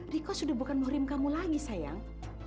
riko sudah bukan murim kamu lagi sayang